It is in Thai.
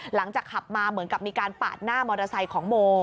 หลังจากขับมาเหมือนกับมีการปาดหน้ามอเตอร์ไซค์ของโม